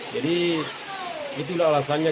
jadi itulah alasannya